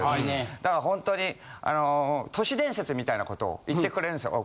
だからほんとにあの都市伝説みたいなことを言ってくれるんですよ。